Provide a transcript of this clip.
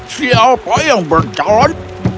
siapa yang berjan